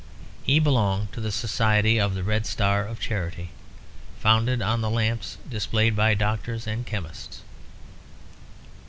He belonged to the Society of the Red Star of Charity, founded on the lamps displayed by doctors and chemists.